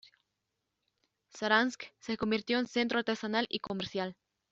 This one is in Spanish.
Saransk se convirtió en centro artesanal y comercial.